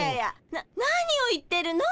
なっ何を言ってるの？